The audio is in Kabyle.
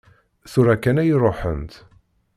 Tura kan ay ruḥent.